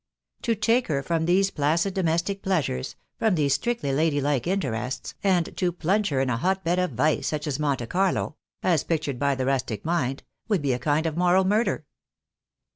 To take her from these placid domestic pleasures, from these strictly lady like interests, and to plunge her in a hotbed of vice such as Monte Carlo — as pictured by the rustic mind — would be a kind of moral murder.